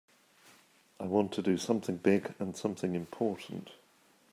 I want to do something big and something important.